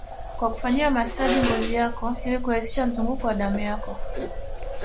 kwa kufanyia masaji ngozi yako ili kurahisisha mzunguko wa damu yako